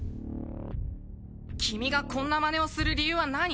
君がこんなマネをする理由は何？